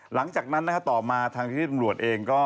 หลังจากนั้นต่อมาทางที่ตำรวจเองก็